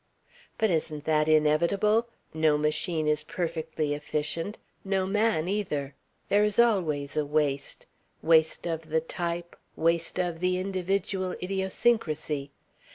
"But isn't that inevitable? No machine is perfectly efficient. No man either. There is always a waste. Waste of the type; waste of the individual idiosyncrasy.